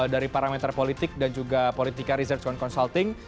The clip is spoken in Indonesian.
dari parameter politik dan juga politika research and consulting